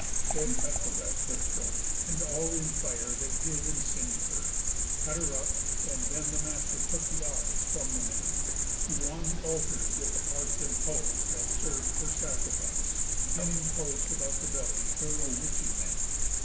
Then cut the rest her throat, and all in fire They hid and sing'd her, cut her up; and then, The master took the office from the men, Who on the altar did the parts impose That serv'd for sacrifice; beginning close About the belly, thorough which he went.